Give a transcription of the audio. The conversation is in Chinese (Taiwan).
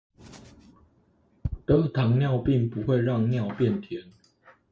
得糖尿病不會讓尿變甜